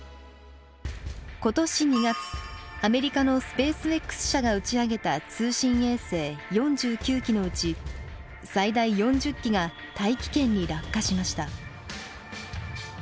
今年２月アメリカのスペースＸ社が打ち上げた通信衛星４９基のうち最大４０基が大気圏に落下しました。